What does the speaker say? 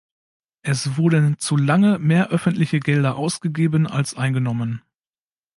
Es wurden zu lange mehr öffentliche Gelder ausgegeben als eingenommen.